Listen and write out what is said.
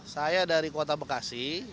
saya dari kota bekasi